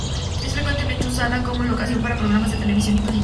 Es frecuentemente usada como locación para programas de televisión y películas.